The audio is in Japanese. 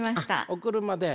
お車で？